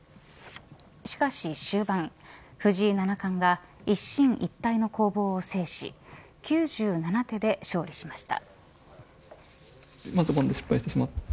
しかし終盤、藤井七冠が一進一退の攻防を制し９７手で勝利しました。